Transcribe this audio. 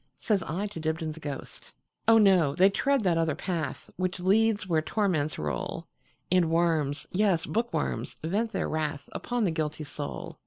Says I to Dibdin's ghost."Oh, no! they tread that other path, Which leads where torments roll, And worms, yes, bookworms, vent their wrathUpon the guilty soul.